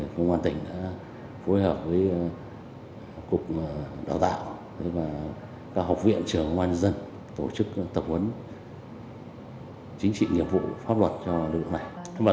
công an tỉnh nam định đã phối hợp với cục đào tạo các học viện trưởng quan dân tổ chức tập huấn chính trị nhiệm vụ pháp luật cho điều động này